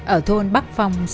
ở thôn bắc phong hải phòng